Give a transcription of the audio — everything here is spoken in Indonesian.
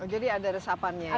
jadi ada resapannya ya